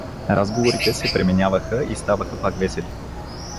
Разговорите се пременяваха и ставаха пак весели.